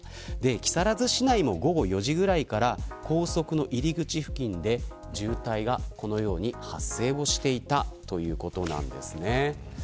木更津市内も午後４時ぐらいから高速の入り口付近で渋滞がこのように発生していたということなんですね。